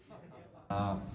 banyak teman saya ini dia